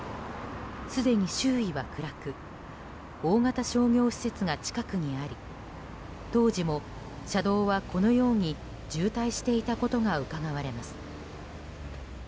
すでに周囲は暗く大型商業施設が近くにあり当時も車道はこのように渋滞していたことがうかがわれます。